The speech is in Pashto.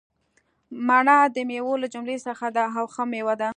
مڼه دمیوو له جملي څخه ده او ښه میوه ده